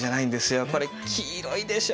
これ黄色いでしょ！